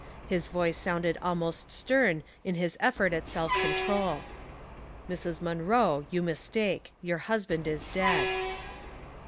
His voice sounded almost stern in his effort at self control. " Mrs. Munroe, you mistake. Your husband is dead."